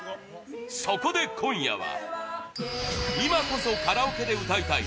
そこで今夜は今こそカラオケで歌いたい！